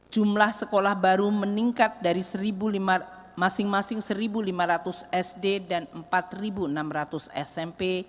jumlah sekolah baru meningkat dari satu lima masing masing satu lima ratus sd dan empat enam ratus smp